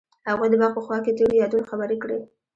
هغوی د باغ په خوا کې تیرو یادونو خبرې کړې.